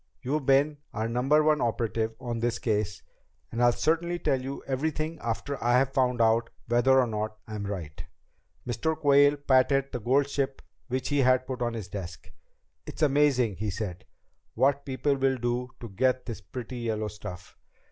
You've been our Number One operative on this case, and I'll certainly tell you everything after I've found out whether or not I'm right." Mr. Quayle patted the gold ship which he had put on his desk. "It's amazing," he said "what people will do to get this pretty yellow stuff.